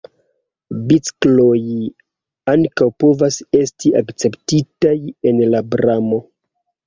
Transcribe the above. Bicikloj ankaŭ povas esti akceptitaj en la pramo.